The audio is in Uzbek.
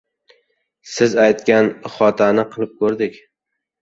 — Siz aytgan ihotani qilib ko‘rdik.